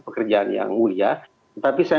pekerjaan yang mulia tetapi saya